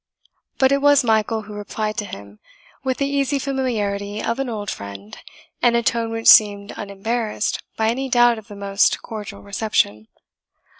But it was Michael who replied to him, with the easy familiarity of an old friend, and a tone which seemed unembarrassed by any doubt of the most cordial reception.